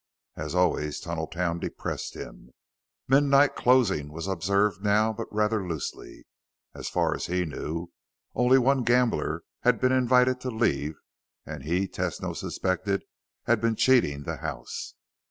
As always, Tunneltown depressed him. Midnight closing was observed now, but rather loosely. As far as he knew, only one gambler had been invited to leave, and he, Tesno suspected, had been cheating the house.